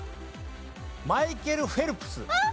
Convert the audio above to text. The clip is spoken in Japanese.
マイケル・フェルプス。